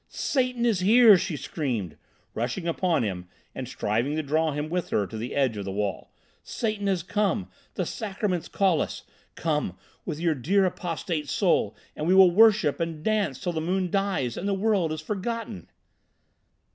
"Satan is there!" she screamed, rushing upon him and striving to draw him with her to the edge of the wall. "Satan has come. The Sacraments call us! Come, with your dear apostate soul, and we will worship and dance till the moon dies and the world is forgotten!"